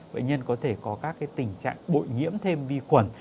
bệnh nhân có thể có các tình trạng bội nhiễm thêm vi khuẩn